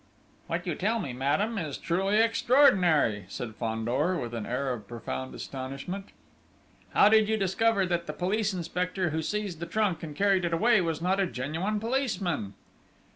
"What you tell me, madame, is truly extraordinary!" said Fandor, with an air of profound astonishment.... "How did you discover that the police inspector who seized the trunk and carried it away was not a genuine policeman?"